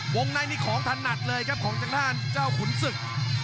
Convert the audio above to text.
วงนายนี่ของสนัดเลยครับของท่านท่านขุนศึก